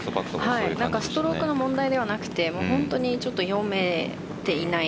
ストロークの問題ではなくてちょっと読めていない。